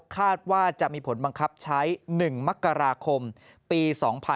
คาดว่าจะมีผลบังคับใช้๑มกราคมปี๒๕๖๒